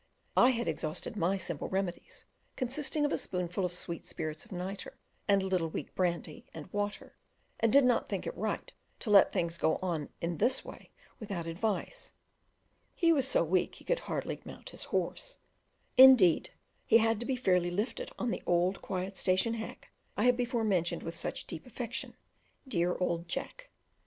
I had exhausted my simple remedies, consisting of a spoonful of sweet spirits of nitre and a little weak brandy and water and did not think it right to let things go on in this way without advice: he was so weak he could hardly mount his horse; indeed he had to be fairly lifted on the old quiet station hack I have before mentioned with such deep affection, dear old Jack.